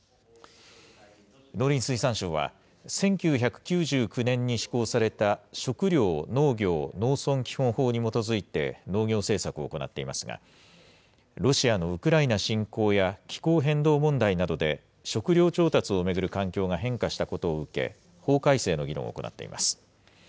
農林水産省は、１９９９年に施行された食料・農業・農村基本法に基づいて農業政策を行っていますが、ロシアのウクライナ侵攻や気候変動問題などで食料調達を巡る環境が変化したことを受け、法改正の議論を行っています。